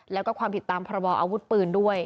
แล้วก็ความผิดตามพรบออาวุธปืนด้วย